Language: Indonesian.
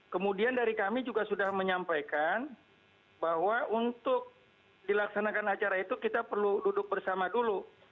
kemudian dari kami juga sudah menyampaikan bahwa untuk dilaksanakan acara itu kita perlu duduk bersama dulu